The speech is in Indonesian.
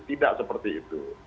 tidak seperti itu